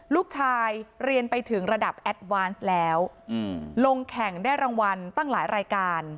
ลูกชายเรียนไปถึงระดับแอดวานซ์แล้วลงแข่งได้รางวัลตั้งหลายรายการ